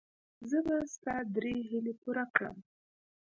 زه به ستا درې هیلې پوره کړم.